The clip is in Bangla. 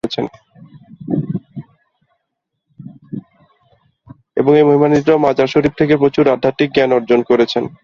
এবং এই মহিমান্বিত মাজার শরীফ থেকে প্রচুর আধ্যাত্বিক জ্ঞান অর্জন করেছেন।